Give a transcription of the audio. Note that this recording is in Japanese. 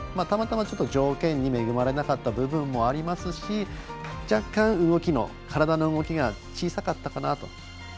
たまたま、条件に恵まれなかった部分もありますし若干、体の動きが小さかったかなと。